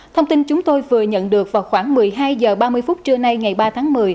thông tin chúng tôi vừa nhận được vào khoảng một mươi hai h ba mươi phút trưa nay ngày ba tháng một mươi